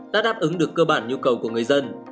đã đáp ứng được cơ bản nhu cầu của người dân